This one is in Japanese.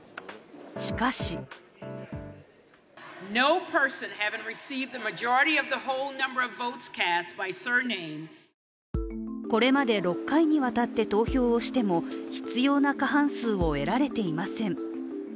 しかしこれまで６回にわたって投票をしても必要な過半数を得られていません。